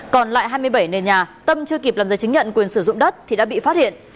còn lại hai mươi bảy nền nhà tâm chưa kịp làm giấy chứng nhận quyền sử dụng đất thì đã bị phát hiện